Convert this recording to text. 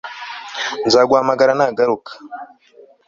nzaguhamagara nagaruka